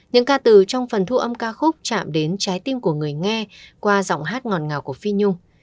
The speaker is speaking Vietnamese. những ca từ trong phần thu âm ca khúc chạm đến trái tim của người nghe qua giọng hát ngọt ngào của phi nhung